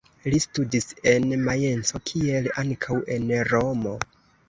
Li studis en Majenco kiel ankaŭ en Romo.